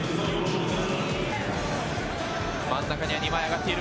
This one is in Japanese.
真ん中には２枚上がっている。